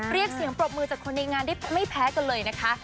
เรียกเสียงปรบมือจากคนในงานได้ไม่แพ้กันเลยนะคะ